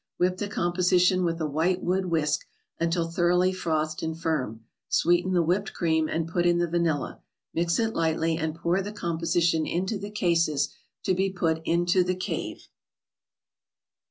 Whip the composition with a white wood whisk, until thoroughly frothed and firm. Sweeten the whipped cream, and put in the vanilla. Mix it lightly, and pour the composition into the cases, to be put into the cave.